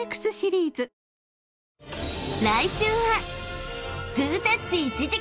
［来週は］